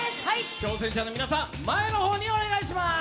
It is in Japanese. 挑戦者の皆さん、前の方にお願いします。